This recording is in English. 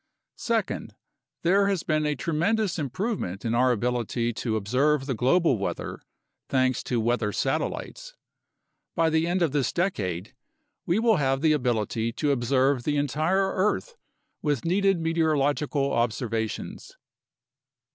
Second, there has been a tremendous improvement in our ability to observe the global weather, thanks to weather satellites. By the end of this decade, we will have the ability to observe the entire earth with needed meteorological observations.